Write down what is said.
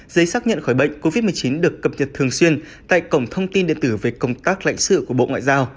giấy xác nhận khỏi bệnh covid một mươi chín được cập nhật thường xuyên tại cổng thông tin điện tử về công tác lãnh sự của bộ ngoại giao